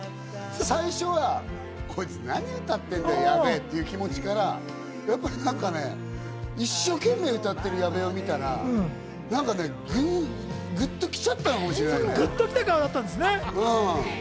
最初はこいつ何歌ってんだよ、矢部という気持ちから、なんかね、一生懸命歌ってる矢部を見たら、なんかグッと来ちゃったのかもしれない。